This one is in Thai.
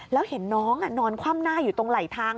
แล้วเห็นน้องนอนคว่ำหน้าอยู่ตรงไหลทาง